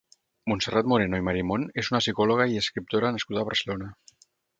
Montserrat Moreno i Marimón és una psicòloga i escriptora nascuda a Barcelona.